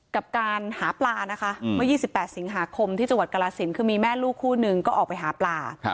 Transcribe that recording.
กับการหาปลานะคะเมื่อ๒๘สิงหาคมที่จังหวัดกรสินคือมีแม่ลูกคู่หนึ่งก็ออกไปหาปลา